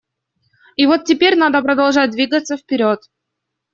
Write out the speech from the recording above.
И вот теперь надо продолжать двигаться вперед.